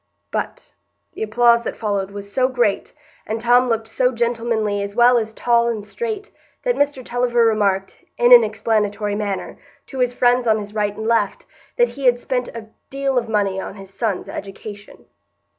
But the applause that followed was so great, and Tom looked so gentlemanly as well as tall and straight, that Mr Tulliver remarked, in an explanatory manner, to his friends on his right and left, that he had spent a deal of money on his son's education.